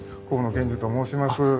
河野健司と申します。